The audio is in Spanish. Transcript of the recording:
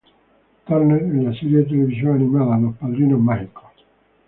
Turner en la serie de televisión animada, Los padrinos mágicos.